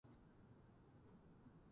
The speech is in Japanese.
ドリームコアは世界共通だ